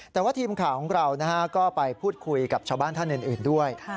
แต่ว่าทีมข่าวของเราก็ไปพูดคุยกับชาวบ้านท่านอื่นด้วย